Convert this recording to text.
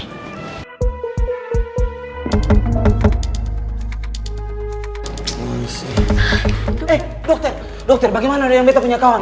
eh dokter dokter bagaimana ada yang minta punya kawan